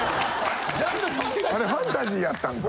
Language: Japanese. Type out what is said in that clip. あれファンタジーやったんか。